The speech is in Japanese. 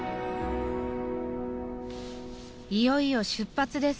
いよいよ出発です。